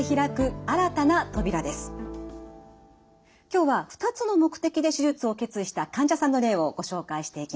今日は２つの目的で手術を決意した患者さんの例をご紹介していきます。